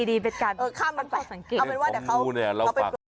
ดีเป็นการปรับภาพสังเกตเอาเป็นว่าเดี๋ยวเขา